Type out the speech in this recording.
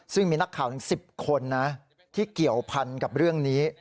ซึ่งมีนักข่าวถึง๑๐คนนะที่เกี่ยวพันกับเรื่องนี้